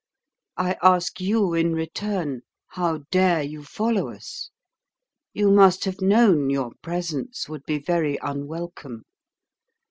I ask you in return, how dare you follow us? You must have known your presence would be very unwelcome.